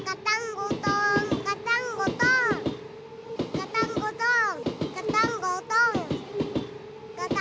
ガタンゴトーンガタンゴトーン。